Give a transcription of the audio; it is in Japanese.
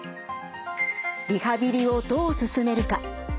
リハビリをどう進めるか。